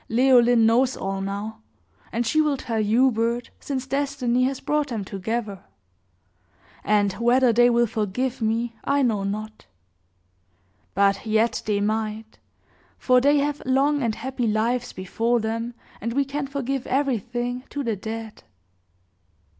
Leoline knows all now; and she will tell Hubert, since destiny has brought them together; and whether they will forgive me I know not. But yet they might; for they have long and happy lives before them, and we can forgive everything to the dead."